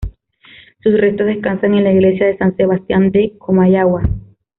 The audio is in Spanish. Sus restos descansan en la Iglesia de San Sebastián de Comayagua.